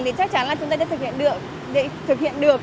thì chắc chắn là chúng ta sẽ thực hiện được